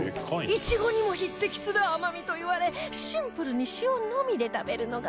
いちごにも匹敵する甘みといわれシンプルに塩のみで食べるのがオススメだそうです